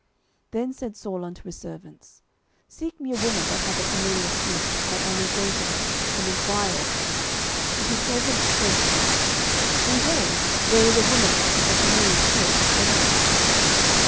09:028:007 Then said Saul unto his servants, Seek me a woman that hath a familiar spirit, that I may go to her, and enquire of her. And his servants said to him, Behold, there is a woman that hath a familiar spirit at Endor.